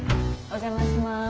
お邪魔します。